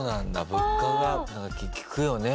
物価が聞くよね